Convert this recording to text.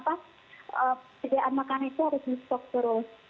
pesediaan makanan itu harus